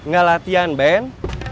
gak latihan ben